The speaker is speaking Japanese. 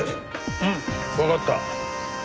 うんわかった。